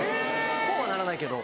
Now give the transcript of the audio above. こうはならないけど。